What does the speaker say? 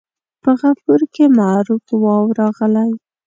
په غفور کې معروف واو راغلی.